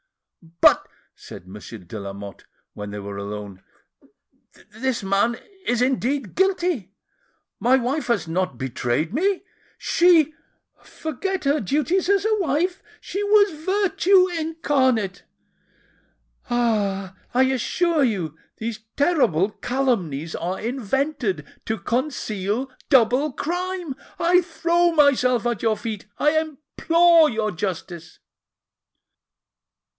"But," said Monsieur de Lamotte, when they were alone, "this man is indeed guilty. My wife has not betrayed me! She!—forget her duties as a wife! she was virtue incarnate! Ah! I assure you these terrible calumnies are invented to conceal double crime! I throw myself at your feet,—I implore your justice!"